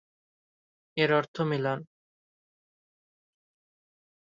এর অর্থ মিলন।